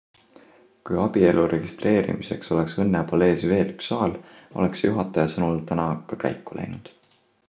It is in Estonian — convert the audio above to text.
Kui abielude registreerimiseks oleks Õnnepalees veel üks saal, oleks see juhataja sõnul täna ka käiku läinud.